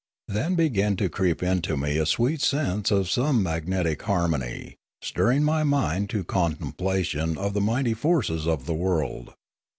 Then began to creep into me a sweet sense of some magnetic harmony, stirring my mind to contemplation of the mighty forces of the world.